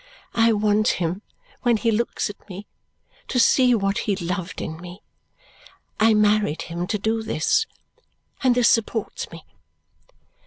I want him, when he looks at me, to see what he loved in me. I married him to do this, and this supports me."